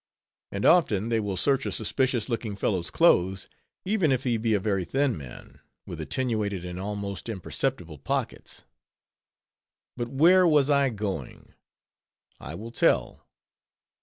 And often they will search a suspicious looking fellow's clothes, even if he be a very thin man, with attenuated and almost imperceptible pockets. But where was I going? I will tell.